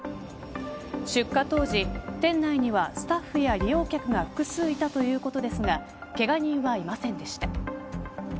出火当時、店内にはスタッフや利用客が複数いたということですがけが人はいませんでした。